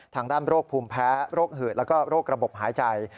ทางด้านโรคภูมิแพ้โรคหืดแล้วก็โรคระบบหายใจ